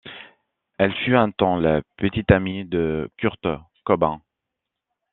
Elle fut un temps la petite amie de Kurt Cobain.